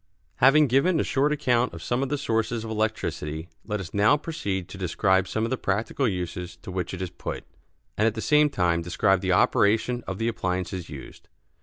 Having given a short account of some of the sources of electricity, let us now proceed to describe some of the practical uses to which it is put, and at the same time describe the operation of the appliances used.